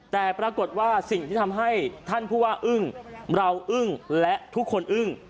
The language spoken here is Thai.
แต่ปรากฏว่าสิ่งที่ทำให้ท่านผู้ว่าอึ้งเราอึ้งและทุกคนอึ้ง